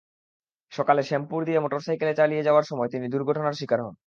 সকালে শ্যামপুর দিয়ে মোটরসাইকেল চালিয়ে যাওয়ার সময় তিনি দুর্ঘটনার শিকার হন।